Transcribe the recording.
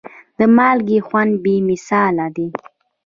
د مالګې خوند بې مثاله دی.